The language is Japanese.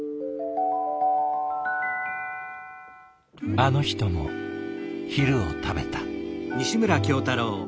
あの人も昼を食べた。